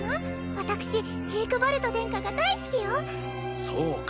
私ジークヴァルト殿下が大好きそうか